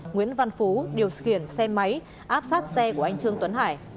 nguyễn văn phú điều khiển xe máy áp sát xe của anh trương tuấn hải